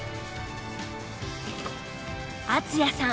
敦也さん